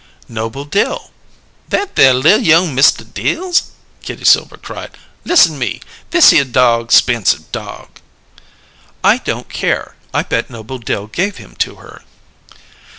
"Noble Dill." "That there li'l young Mista Dills?" Kitty Silver cried. "Listen me! Thishere dog 'spensive dog." "I don't care; I bet Noble Dill gave him to her."